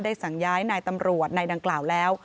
สั่งย้ายนายตำรวจนายดังกล่าวแล้ว